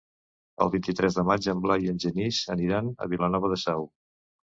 El vint-i-tres de maig en Blai i en Genís aniran a Vilanova de Sau.